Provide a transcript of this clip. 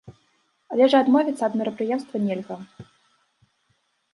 Але ж і адмовіцца ад мерапрыемства нельга.